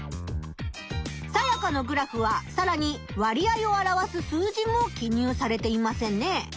サヤカのグラフはさらに割合を表す数字も記入されてませんね。